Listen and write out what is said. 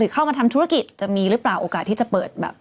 เข้ามาทำธุรกิจจะมีหรือเปล่าโอกาสที่จะเปิดแบบ